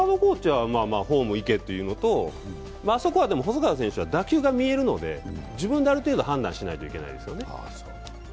ホームへ行けというのと、あそこは細川選手は打球が見えるので、自分である程度判断しないといけないですよね。